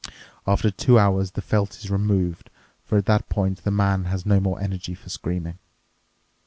After two hours, the felt is removed, for at that point the man has no more energy for screaming.